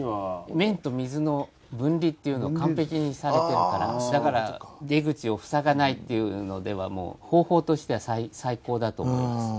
麺と水の分離っていうのを完璧にされてるからだから出口を塞がないっていうのではもう方法としては最高だと思います。